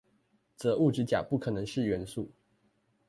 則物質甲不可能是元素